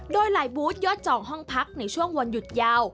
โดยหลายบูธยอดจองห้องพักในช่วงวันหยุดยาว